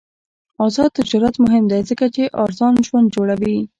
آزاد تجارت مهم دی ځکه چې ارزان ژوند جوړوي.